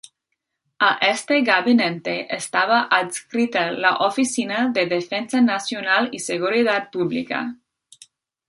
A este gabinete estaba adscrita la oficina de Defensa Nacional y Seguridad Pública.